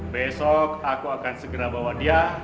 besok aku akan segera bawa dia